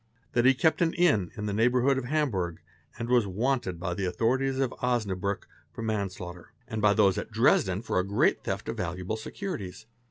that he had kept an inn in the neighbourhood of Hamburg, and was " wanted" by the authorities — of Osnabriick for manslaughter, and by those at Dresden for a great theft of valuable securities.